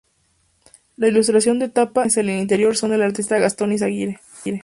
La ilustración de tapa e imágenes en el interior son del artista Gastón Izaguirre.